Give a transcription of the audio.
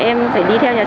thì em phải đi theo nhà xe